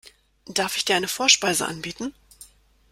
Darf ich dir eine Vorspeise anbieten?